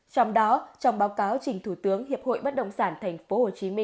trong đó trong báo cáo trình thủ tướng hiệp hội bất động sản tp hcm